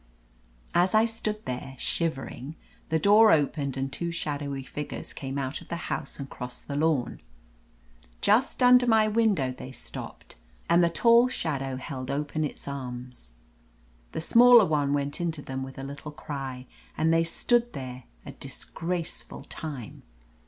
As I stood there shivering, the door opened and two shadowy figures came out of the house and crossed the lawn. Just under my window they stopped and the tall shadow held open 283 4 I THE AMAZING ADVENTURES its arms* The smaller one went into them with a little cry, and they stood there a disgraceful time.